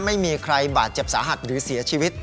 ไม่มีใครบาดเจ็บสาหัสหรือเสียชีวิต